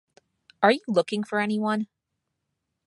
Are you looking for any one?